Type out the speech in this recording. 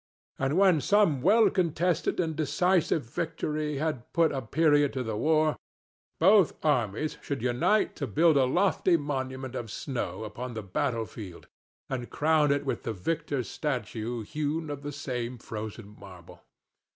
And when some well contested and decisive victory had put a period to the war, both armies should unite to build a lofty monument of snow upon the battlefield and crown it with the victor's statue hewn of the same frozen marble.